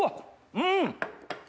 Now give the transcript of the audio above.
うん！